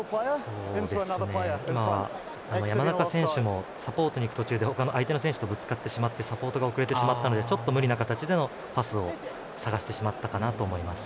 山中選手もサポートに行く途中で相手の選手とぶつかってしまってサポートが遅れてしまったのでちょっと無理な形でのパスを探してしまったかなと思います。